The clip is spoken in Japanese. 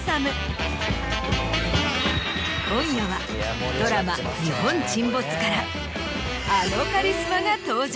今夜はドラマ『日本沈没』からあのカリスマが登場。